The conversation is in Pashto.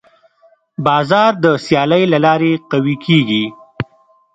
بازار د سیالۍ له لارې قوي کېږي.